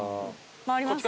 回りますか。